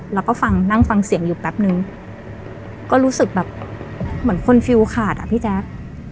แล้วก็ฟังนั่งฟังเสียงอยู่แป๊บนึงก็รู้สึกแบบเหมือนคนฟิลขาดอ่ะพี่แจ๊ค